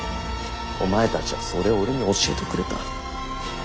お前たちはそれを俺に教えてくれた。